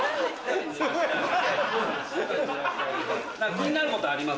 気になることあります？